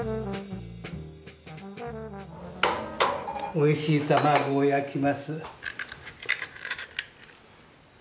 おいしい卵を焼きます。